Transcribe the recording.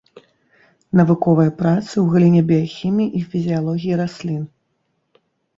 Навуковыя працы ў галіне біяхіміі і фізіялогіі раслін.